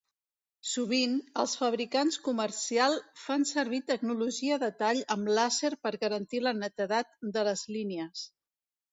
Sovint, els fabricants comercial fan servir tecnologia de tall amb làser per garantir la netedat de les línies.